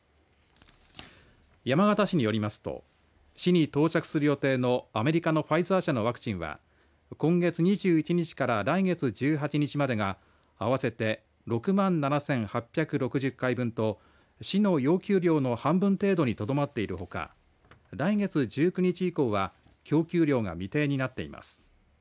山形市によりますと市に到着する予定のアメリカのファイザー社のワクチンは今月２１日から来月１８日までが合わせて６万７８６０回分と市の要求量の半分程度にとどまっているほか来月１９日以降は供給量が未定になっています。